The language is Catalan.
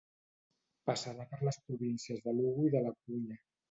Passarà per les províncies de Lugo i de La Corunya.